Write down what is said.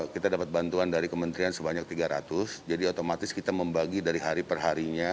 kita dapat bantuan dari kementerian sebanyak tiga ratus jadi otomatis kita membagi dari hari perharinya